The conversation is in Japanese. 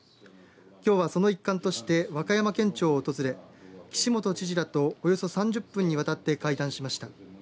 きょうはその一環として和歌山県庁を訪れ岸本知事らとおよそ３０分にわたって会談しました。